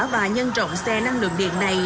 và nhân rộng xe năng lượng điện này